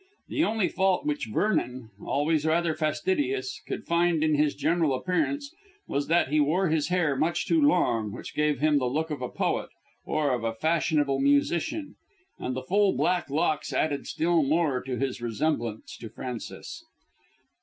The only fault which Vernon always rather fastidious could find in his general appearance was that he wore his hair much too long, which gave him the look of a poet or of a fashionable musician. And the full black locks added still more to his resemblance to Frances.